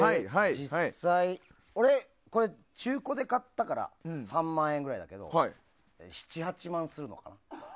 実際、中古で買ったから３万円ぐらいだけど７８万するのかな。